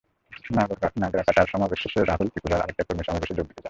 নাগরাকাটার সমাবেশ শেষে রাহুল ত্রিপুরায় আরেকটি কর্মী সমাবেশে যোগ দিতে যান।